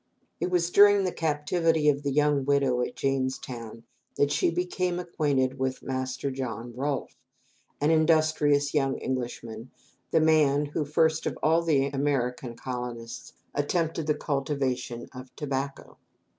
It was during the captivity of the young widow at Jamestown that she became acquainted with Master John Rolfe, an industrious young Englishman, and the man who, first of all the American colonists, attempted the cultivation of tobacco.